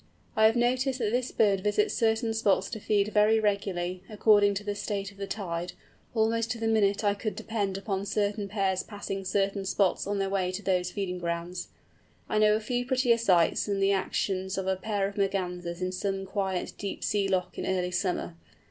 I have noticed that this bird visits certain spots to feed very regularly, according to the state of the tide; almost to the minute I could depend upon certain pairs passing certain spots on their way to these feeding grounds. I know of few prettier sights than the actions of a pair of Mergansers in some quiet, deep sea loch in early summer.